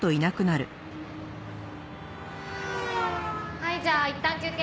はいじゃあいったん休憩。